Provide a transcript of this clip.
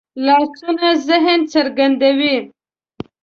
لاسونه ذهن څرګندوي